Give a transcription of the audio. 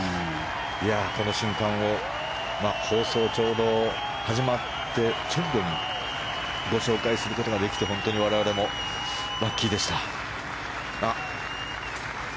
この瞬間を、放送がちょうど始まった直後にご紹介することができて本当に我々もラッキーでした。